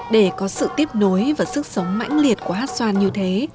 để có sự tiếp nối và sức sống mãnh liệt của hát xoan như thế